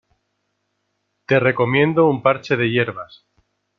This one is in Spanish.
Te recomiendo un parche de hierbas.